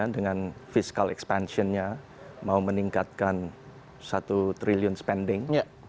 dengan fiscal expansion nya mau meningkatkan satu triliun spending